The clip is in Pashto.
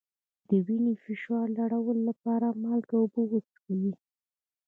د وینې فشار لوړولو لپاره مالګه او اوبه وڅښئ